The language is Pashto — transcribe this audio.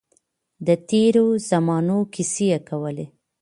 د تېرو زمانو کیسې کولې.